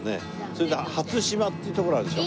それで初島っていう所あるでしょ。